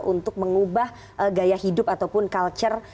untuk mengubah gaya hidup ataupun culture